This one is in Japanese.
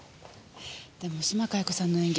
でも島加代子さんの演技